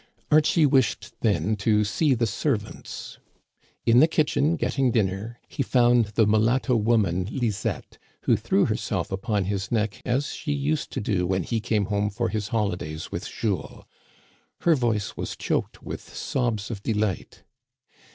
Archie wished then to see the servants. In the kitchen, getting dinner, he found the mulatto woman Lis ette, who threw herself upon his neck as she used to do when he came home for his holidays with Jules. Her voice was choked with sobs of delight.